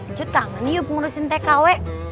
ncut kangen yuk ngurusin tkw